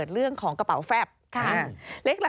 สวัสดีค่ะสวัสดีค่ะสวัสดีค่ะสวัสดีค่ะ